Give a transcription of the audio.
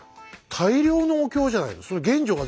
大量のお経じゃない？